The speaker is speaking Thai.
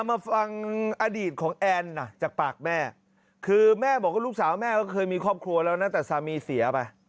มาฟังอดีตของแอนจากปากแม่คือแม่บอกว่าลูกสาวแม่ก็เคยมีครอบครัวแล้วนะแต่สามีเสียไป